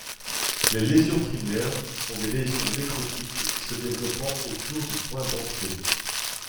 Les lésions primaires sont des lésions nécrotiques se développant autour du point d'entrée.